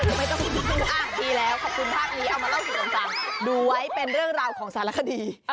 ไม่ต้องดีแล้วขอบคุณภาพนี้เอามาเล่าสู่กันฟังดูไว้เป็นเรื่องราวของสารคดี